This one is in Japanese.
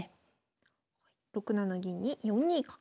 ６七銀に４二角。